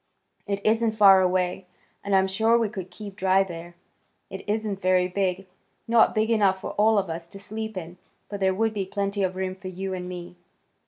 It isn't far away, and I'm sure we could keep dry there. It isn't very big. Not big enough for all of us to sleep in, but there would be plenty of room for you and me."